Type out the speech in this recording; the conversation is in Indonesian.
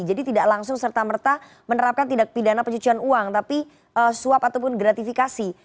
jadi tidak langsung serta merta menerapkan tidak pidana pencucian uang tapi suap ataupun gratifikasi